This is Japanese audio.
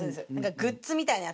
グッズみたいなやつ。